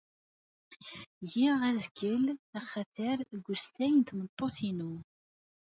Giɣ azgel axatar g ustay n tmeṭṭuṭ-inu.